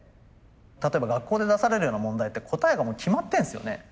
例えば学校で出されるような問題って答えがもう決まってるんですよね。